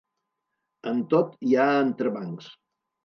En tot hi ha entrebancs.